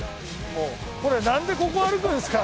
これなんでここ歩くんですか？